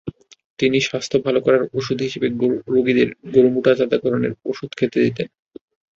তিনি স্বাস্থ্য ভালো করার ওষুধ হিসেবে রোগীদের গরু মোটাতাজাকরণের ওষুধ খেতে দিতেন।